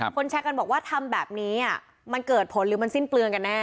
แชร์กันบอกว่าทำแบบนี้มันเกิดผลหรือมันสิ้นเปลืองกันแน่